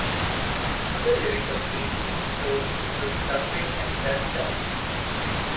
Other lyrical themes explored include suffering and self-doubt.